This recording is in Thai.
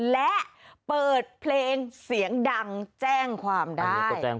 และเปิดเพลงเสียงดังแจ้งความได้